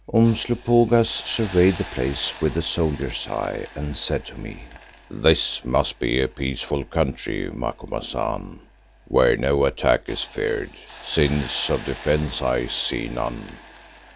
Umslopogaas surveyed the place with a soldier's eye and said to me, "This must be a peaceful country, Macumazahn, where no attack is feared, since of defences I see none."